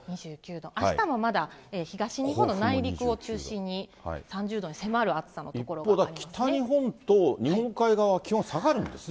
あしたもまだ東日本の内陸を中心に３０度に迫る暑さの所があ一方、北日本と日本海側は気温下がるんですね。